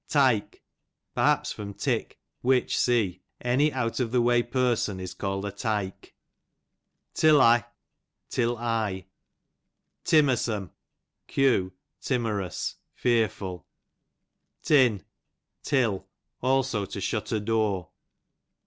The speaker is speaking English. Tike, perhaps from tick, which see, any out of the ivay person is called a tike. Tilly, till I. Timmersome, q. timorous, fearful. Tin, till ; also to shut a door.